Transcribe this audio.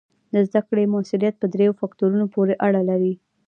د زده کړې مؤثریت په دریو فکتورونو پورې اړه لري.